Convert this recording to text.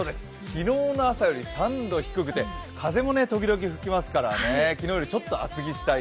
昨日の朝より３度低くて風もときどき吹きますから昨日よりちょっと厚着したい